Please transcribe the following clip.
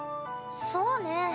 そうねぇ。